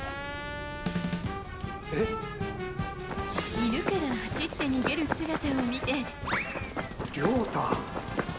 犬から走って逃げる姿を見て。